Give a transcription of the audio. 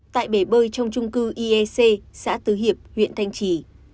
tại bể bơi trong trung cư iec xã tứ hiệp huyện thanh trì